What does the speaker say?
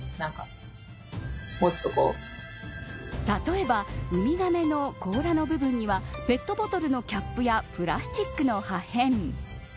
例えばウミガメの甲羅の部分にはペットボトルのキャップやプラスチックの破片。